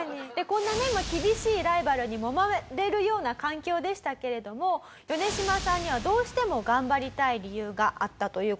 こんなね厳しいライバルにもまれるような環境でしたけれどもヨネシマさんにはどうしても頑張りたい理由があったという事なんです。